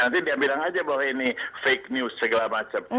nanti dia bilang aja bahwa ini fake news segala macam